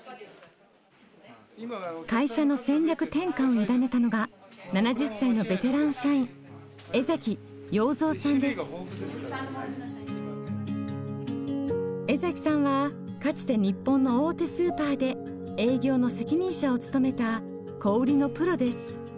会社の戦略転換を委ねたのが７０歳のベテラン社員江崎さんはかつて日本の大手スーパーで営業の責任者を務めた小売りのプロです。